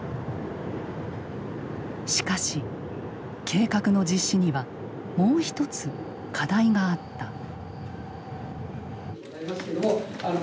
しかし計画の実施にはもう一つ課題があった。